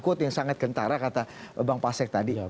quote an yang sangat gentara kata bang pasek tadi